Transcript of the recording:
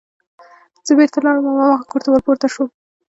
زه بېرته لاړم او هماغه کور ته ور پورته شوم